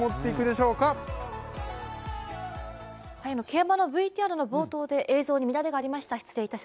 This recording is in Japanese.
競馬のＶＴＲの冒頭で映像に乱れがありました